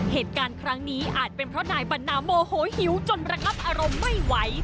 เหตุการณ์ครั้งนี้อาจเป็นเพราะนายปันนาโมโหหิวจนระงับอารมณ์ไม่ไหว